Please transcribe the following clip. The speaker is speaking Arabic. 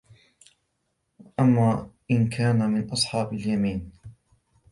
وَأَمَّا إِن كَانَ مِنَ أَصْحَابِ الْيَمِينِ